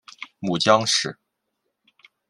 母江氏。